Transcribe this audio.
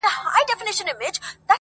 ما مجسمه د بې وفا په غېږ كي ايښې ده,